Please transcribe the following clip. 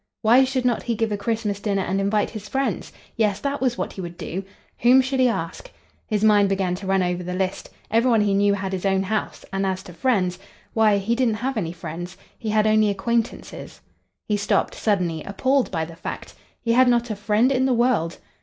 Why should not he give a Christmas dinner and invite his friends? Yes, that was what he would do. Whom should he ask? His mind began to run over the list. Every one he knew had his own house; and as to friends—why, he didn't have any friends! He had only acquaintances. He stopped suddenly, appalled by the fact. He had not a friend in the world!